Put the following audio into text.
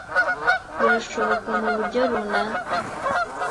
birashoboka mu buryo runaka